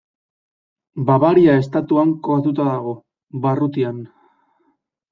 Bavaria estatuan kokatuta dago, barrutian.